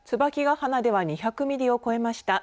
鼻では２００ミリを超えました。